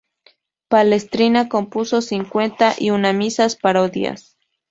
Palestrina compuso cincuenta y una misas parodias.